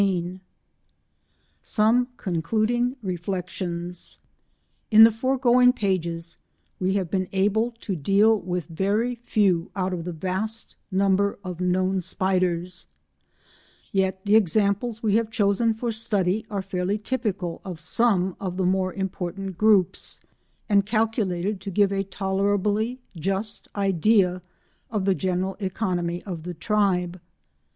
CHAPTER XV SOME CONCLUDING REFLEXIONS In the foregoing pages we have been able to deal with very few out of the vast number of known spiders; yet the examples we have chosen for study are fairly typical of some of the more important groups, and calculated to give a tolerably just idea of the general economy of the tribe.